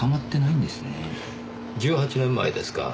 １８年前ですか。